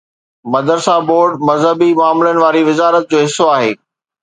مدرسا بورڊ مذهبي معاملن واري وزارت جو حصو آهي.